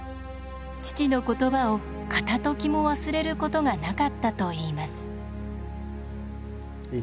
父の言葉を片ときも忘れることがなかったといいます。